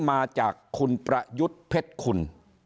มาจากคุณประยุทธ์เพชรคุณ